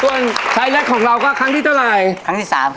ส่วนต้าน่านของเราก็ครั้งที่เท่าไหร่